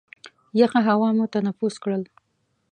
یخه هوا مو تنفس کړل.